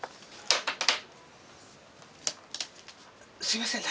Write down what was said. すいません。